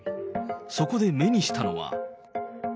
そこで目にしたのは。